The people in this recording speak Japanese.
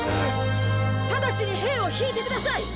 ただちに兵を引いてください！